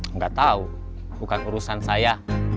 enggak tahu bukan urusan saya